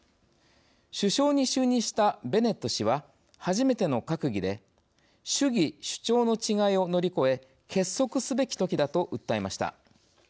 首相に就任したベネット氏は初めての閣議で主義・主張の違いを乗り越え結束すべきときだと訴えました。